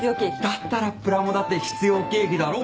だったらプラモだって必要経費だろ？